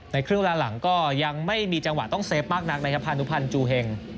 ครึ่งเวลาหลังก็ยังไม่มีจังหวะต้องเซฟมากนักนะครับพานุพันธ์จูเห็ง